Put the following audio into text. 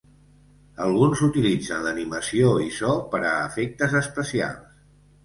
Alguns utilitzen l'animació i so per a efectes especials.